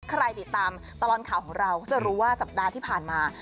ใครติดตามตลอดข่าวของเราก็จะรู้ว่าสัปดาห์ที่ผ่านมา